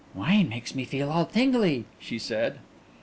"Wine makes me feel all tingly," she said.